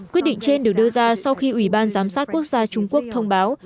quyết định trên được đưa ra sau khi ủy ban giám sát quốc gia trung quốc thông báo